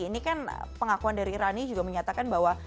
ini kan pengakuan dari rani juga menyatakan bahwa